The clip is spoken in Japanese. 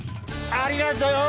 ありがとよ！